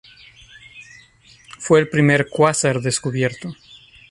Fue el primer cuásar descubierto.